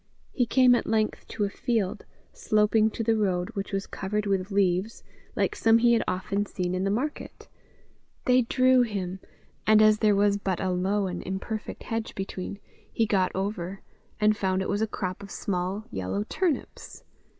He came at length to a field, sloping to the road, which was covered with leaves like some he had often seen in the market. They drew him; and as there was but a low and imperfect hedge between, he got over, and found it was a crop of small yellow turnips.